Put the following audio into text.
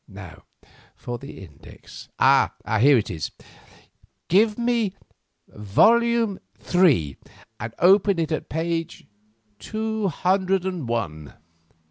Now for the index. Ah! here it is. Give me volume three, and open it at page two hundred and one."